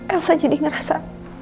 elsa jadi ngerasa